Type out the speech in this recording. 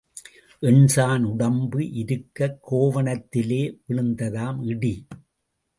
எண்சாண் உடம்பு இருக்கக் கோவணத்திலே விழுந்ததாம் இடி.